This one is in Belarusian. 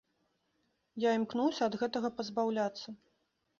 Я імкнуся ад гэтага пазбаўляцца.